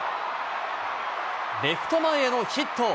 レフト前へのヒット。